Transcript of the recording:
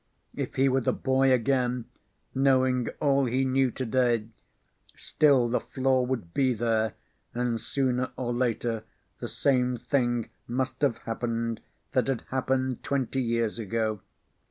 If he were the boy again knowing all he knew today, still the flaw would be there and sooner or later the same thing must have happened that had happened twenty years ago.